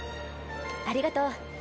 ありがとう。